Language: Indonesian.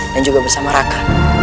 dan juga bersama raka